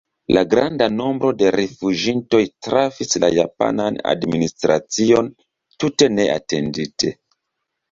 La granda nombro de rifuĝintoj trafis la japanan administracion tute neatendite.